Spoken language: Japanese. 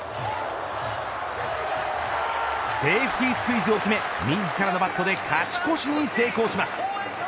セーフティースクイズを決め自らのバットで勝ち越しに成功します。